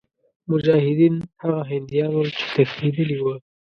مجاهدین هغه هندیان ول چې تښتېدلي وه.